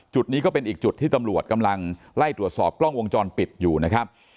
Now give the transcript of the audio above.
จุดนี้ก็เป็นอีกจุดที่ตำรวจกำลังไล่ตรวจสอบกล้องวงจรปิดอยู่นะครับ